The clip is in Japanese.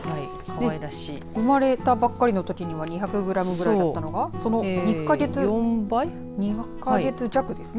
生まれたばかりのときには２００グラムぐらいだったのが２か月弱ですね。